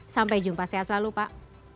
sampai jumpa sehat selalu pak